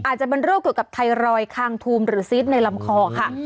อาจจะเป็นโรคเกี่ยวกับไทรอยดคางทูมหรือซีดในลำคอค่ะ